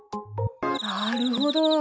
なるほど。